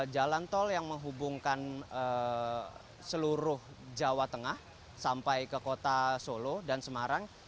jalan tol yang menghubungkan seluruh jawa tengah sampai ke kota solo dan semarang